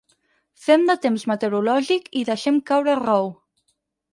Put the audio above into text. Fem de temps meteorològic i deixem caure rou.